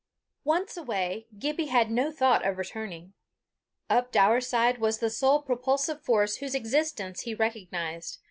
Once away, Gibbie had no thought of returning. Up Daurside was the sole propulsive force whose existence he recognized.